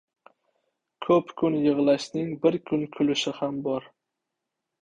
• Ko‘p kun yig‘lashning bir kun kulishi ham bor.